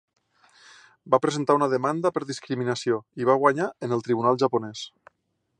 Va presentar una demanda per discriminació, i va guanyar en el tribunal japonès.